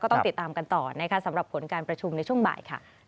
ต้องติดตามกันต่อนะคะสำหรับผลการประชุมในช่วงบ่ายค่ะ